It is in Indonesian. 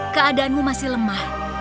keadaanmu masih lemah